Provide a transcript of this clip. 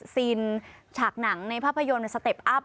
ซีนฉากหนังในภาพยนตร์ในสเต็ปอัพ